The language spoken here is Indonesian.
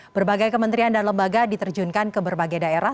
berbagai kementerian dan lembaga diterjunkan ke berbagai daerah